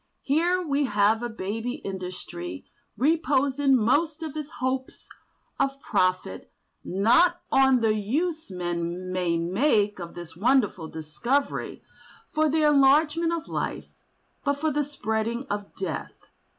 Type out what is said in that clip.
Here we have a baby industry reposing most of its hopes of profit not on the use men may make of this wonderful discovery for the enlargement of life, but for the spreading of death.